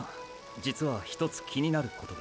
実は一つ気になることが。